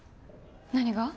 何が？